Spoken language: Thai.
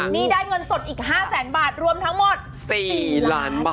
นี่ได้เงินสดอีก๕แสนบาทรวมทั้งหมด๔ล้านบาท